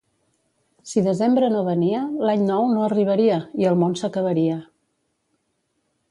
Si desembre no venia, l'any nou no arribaria, i el món s'acabaria.